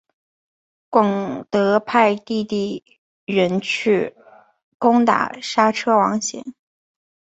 广德派弟弟仁去攻打莎车王贤。